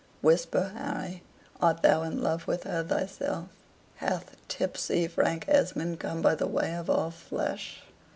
"Whisper, Harry. Art thou in love with her thyself? Hath tipsy Frank Esmond come by the way of all flesh?"